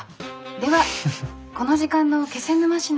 ではこの時間の気仙沼市の。